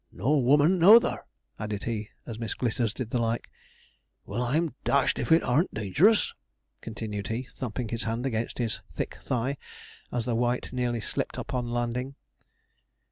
'Nor woman nouther!' added he, as Miss Glitters did the like. 'Well, I'm dashed if it arn't dangerous!' continued he, thumping his hand against his thick thigh, as the white nearly slipped upon landing.